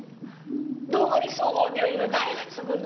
堂上総合病院は誰が継ぐの？